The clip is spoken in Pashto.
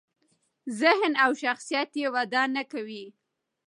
ذهن او شخصیت یې وده نکوي.